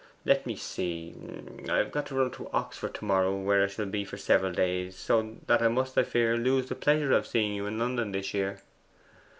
'Let me see. I've got to run up to Oxford to morrow, where I shall be for several days; so that I must, I fear, lose the pleasure of seeing you in London this year.